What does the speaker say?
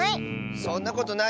そんなことない！